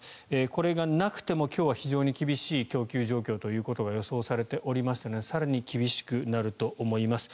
これがなくても今日は非常に厳しい供給状況というのが予想されておりましたので更に厳しくなると思います。